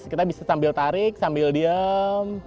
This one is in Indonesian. kita bisa sambil tarik sambil diem